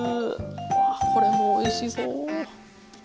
わぁこれもおいしそう。